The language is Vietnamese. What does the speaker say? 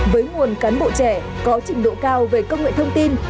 với nguồn cán bộ trẻ có trình độ cao về công nghệ thông tin